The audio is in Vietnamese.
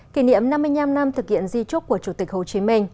kỷ niệm năm mươi năm năm thực hiện di trúc của chủ tịch hồ chí minh